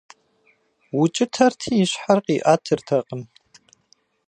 Укӏытэрти и щхьэр къиӏэтыртэкъым.